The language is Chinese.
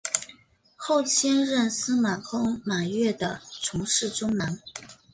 后迁任司空司马越的从事中郎。